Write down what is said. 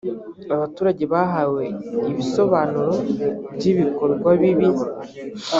abaturage bahawe ibisobanuro by’ibikorwa bibi